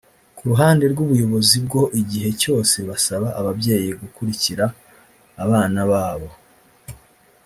Ku ruhande rw’ubuyobozi bwo igihe cyose busaba ababyeyi gukurikira abana babo